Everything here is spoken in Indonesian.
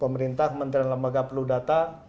pemerintah kementerian lembaga perlu data